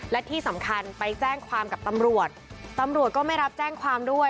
และที่สำคัญไปแจ้งความกับตำรวจตำรวจก็ไม่รับแจ้งความด้วย